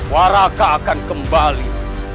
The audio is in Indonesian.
waraka akan kembali